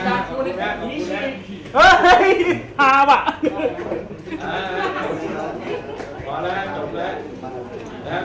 พอแล้วนะครับหมดคำถามก็ต้องตอบด้วยนะครับ